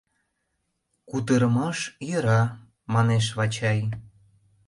— Кутырымаш йӧра! — манеш Вачай.